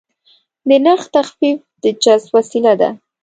د نرخ تخفیف د جذب وسیله ده.